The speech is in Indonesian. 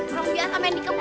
orang biasa main di kebun